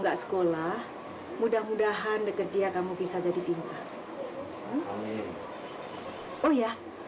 enggak sekolah mudah mudahan deket dia kamu bisa jadi pintar oh ya